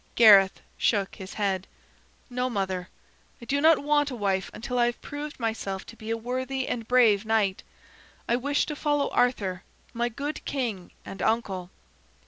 Gareth shook his head. "No, mother. I do not want a wife until I have proved myself to be a worthy and brave knight. I wish to follow Arthur, my good king and uncle."